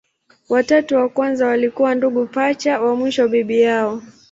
Watatu wa kwanza walikuwa ndugu pacha, wa mwisho bibi yao.